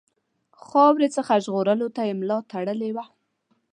خاورې څخه یې ژغورلو ته ملا تړلې وه.